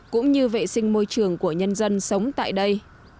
cũng như vệ sinh môi trường của nhân dân sống tại đây